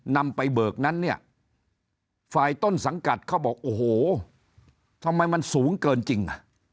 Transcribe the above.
นำไปเบิกนั้นเนี่ยฝ่ายต้นสังกัดเขาบอกโอ้โหทำไมมันสูงเกินจริง